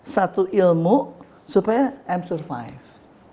satu ilmu supaya m survive